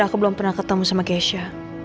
aku belum pernah ketemu sama gesha